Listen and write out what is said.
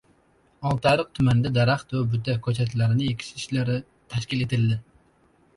Oltiariq tumanida daraxt va buta ko‘chatlarini ekish ishlari tashkil etildi